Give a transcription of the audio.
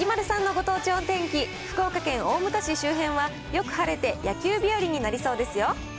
さんのご当地お天気、福岡県大牟田市周辺はよく晴れて、野球日和になりそうですよ。